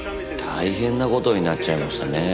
大変な事になっちゃいましたね。